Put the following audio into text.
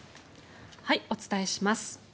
お伝えします。